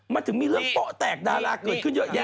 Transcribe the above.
มันถึงมีเรื่องโป๊ะแตกดาราเกิดขึ้นเยอะแยะ